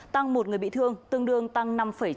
tăng một người bị thương tương đương tăng năm chín